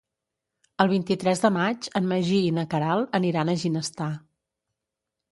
El vint-i-tres de maig en Magí i na Queralt aniran a Ginestar.